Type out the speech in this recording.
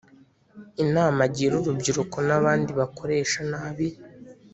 Inama agira urubyiruko n’abandi bakoresha nabi